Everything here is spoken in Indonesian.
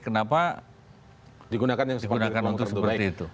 kenapa digunakan untuk seperti itu